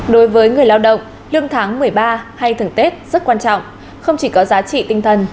đối với người lao động lương tháng một mươi ba hay thường tết rất quan trọng không chỉ có giá trị tinh thần